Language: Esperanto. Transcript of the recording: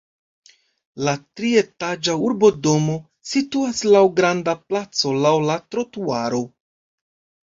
La trietaĝa urbodomo situas laŭ granda placo, laŭ la trotuaro.